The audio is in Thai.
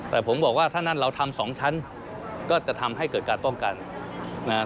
แต่ผมบอกว่าถ้านั้นเราทำ๒ชั้นก็จะทำให้เกิดการต้องการ